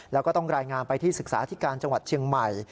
แล้วก็ต้องรายงานไปที่ศึกษาที่การจังหวัดเชียงใหม่